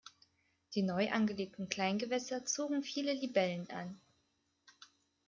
Die neu angelegten Kleingewässer zogen viele Libellen an.